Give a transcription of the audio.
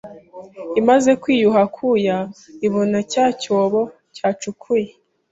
Imaze kwiyuha akuya, ibona cya cyobo yacukuye